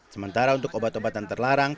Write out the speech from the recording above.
sementara untuk obat obatan terlarang